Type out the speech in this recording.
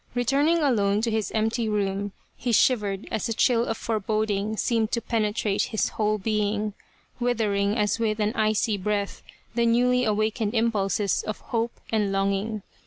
Returning alone to his 107 The Reincarnation of Tama empty room, he shivered as a chill of foreboding seemed to penetrate his whole being, withering as with an icy breath the newly awakened impulses of hope and longing.